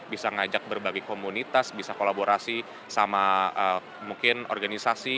bisa ngajak berbagai komunitas bisa kolaborasi sama mungkin organisasi